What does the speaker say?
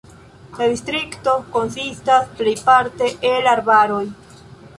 La distrikto konsistas plejparte el arbaroj.